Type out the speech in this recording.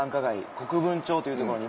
国分町という所に。